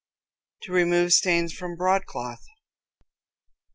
To Remove Stains from Broadcloth.